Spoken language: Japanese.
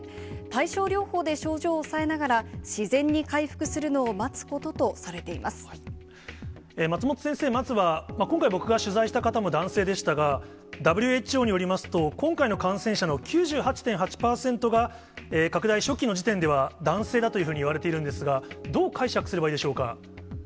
対症療法で症状を抑えながら、自然に回復するのを待つこととさ松本先生、まずは今回、僕が取材した方も男性でしたが、ＷＨＯによりますと、今回の感染者の９８．８％が、拡大初期の時点では男性だというふうにいわれているんですが、どう解釈すればいいでしょうか。